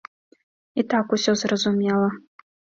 І так усё зразумела.